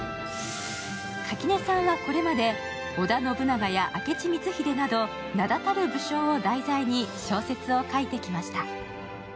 垣根さんは、これまで織田信長や明智光秀など名だたる武将を題材に小説を書いてきました。